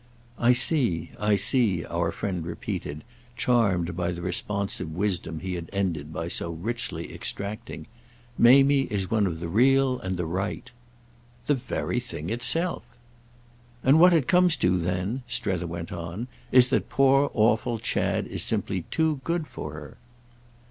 "I see, I see," our friend repeated, charmed by the responsive wisdom he had ended by so richly extracting. "Mamie is one of the real and the right." "The very thing itself." "And what it comes to then," Strether went on, "is that poor awful Chad is simply too good for her."